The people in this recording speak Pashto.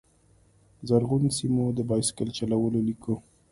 زرغونو سیمو، د بایسکل چلولو لیکو